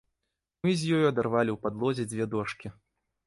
Мы з ёю адарвалі ў падлозе дзве дошкі.